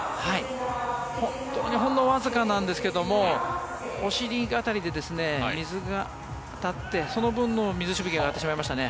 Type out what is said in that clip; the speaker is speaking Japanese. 本当にわずかなんですがお尻辺りで水が当たってその分の水しぶきが当たってしまいましたね。